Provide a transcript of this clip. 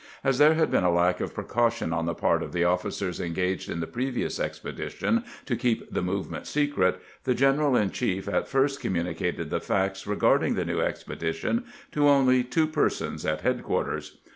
As there had been a lack of precaution on the part of the officers engaged in the previous expedi tion to keep the movement secret, the general in chief at first communicated the facts regarding the new expe dition to only two persons at headquarters.